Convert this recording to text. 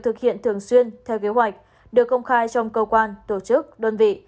thực hiện thường xuyên theo kế hoạch được công khai trong cơ quan tổ chức đơn vị